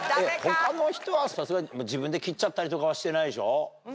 他の人はさすがに自分で切っちゃったりとかはしてないでしょ？